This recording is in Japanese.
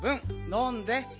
のんで。